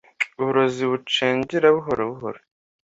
uburozi bucengera buhoro buhoro